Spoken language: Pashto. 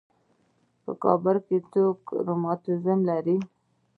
په کور کې څوک رماتیزم لري.